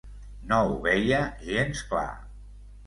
No ho veia gens clar.